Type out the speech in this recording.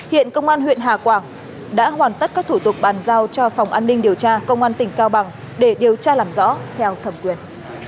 hiện công an huyện hà quảng đã hoàn tất các thủ tục bàn giao cho phòng an ninh điều tra công an tỉnh cao bằng để điều tra làm rõ theo thẩm quyền